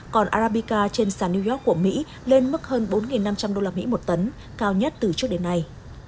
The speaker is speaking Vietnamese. còn arabica trên sàn new york của mỹ lên mức hơn bốn năm trăm linh đô la mỹ một tấn cao nhất từ trước đến nay